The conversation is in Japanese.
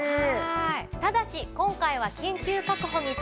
ただし今回は。